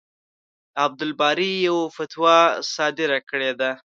عبدالباري يوه فتوا صادره کړې ده.